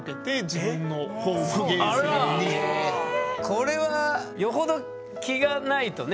これはよほど気がないとね。